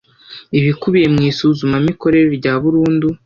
ibikubiye mu isuzumamikorere rya burundu